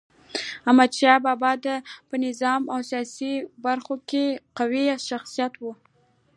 احمد شاه بابا په نظامي او سیاسي برخو کي قوي شخصیت و.